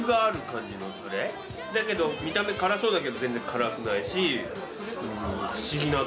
だけど見た目辛そうだけど全然辛くないし。